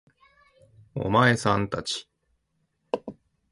お前さん達